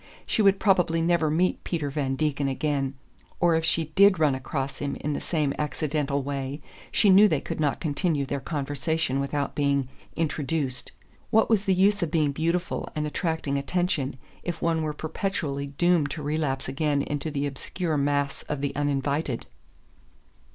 She would probably never meet Peter Van Degen again or, if she DID run across him in the same accidental way, she knew they could not continue their conversation without being "introduced." What was the use of being beautiful and attracting attention if one were perpetually doomed to relapse again into the obscure mass of the Uninvited?